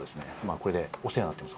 これで「お世話になっております。